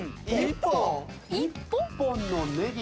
１本のネギ。